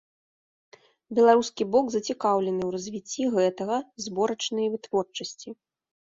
Беларускі бок зацікаўлены ў развіцці гэтага зборачнай вытворчасці.